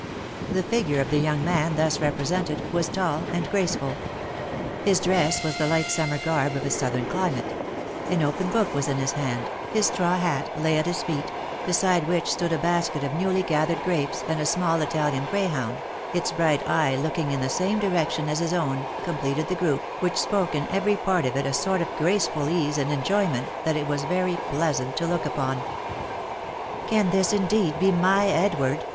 The figure of the young man thus represented, was tall and graceful. His dress was the light summer garb of a southern climate — an open book was in his hand, his straw hat lay at his feet, beside which stood a basket of newly gathered grapes, and a small Italian greyhound, its bright eye looking in the same direction as his own, completed the group, which spoke in every part of it a sort of graceful ease and enjoyment, that it was very plea sant to look upon. " Can this indeed be my Edward?"